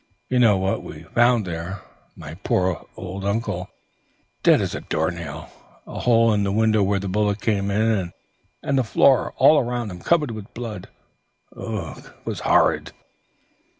You know what we found there. My poor old uncle, dead as a door nail; a hole in the window where the bullet came in, and the floor around him all covered with blood. Ugh!" Mark shuddered, "it was horrid.